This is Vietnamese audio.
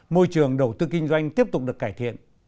môi trường đầu tư kinh doanh tiếp tục được cải thiện